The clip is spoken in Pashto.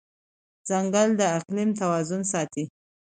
ځنګل د اقلیم توازن ساتي.